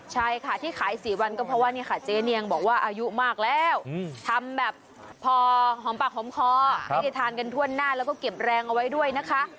ใช่ค่ะที่ขาย๔วันก็เพราะว่านี่ค่ะเจ๊เนียงบอกว่าอายุมากแล้วทำแบบพอหอมปากหอมคอให้ได้ทานกันทั่วหน้าแล้วก็เก็บแรงเอาไว้ด้วยนะคะ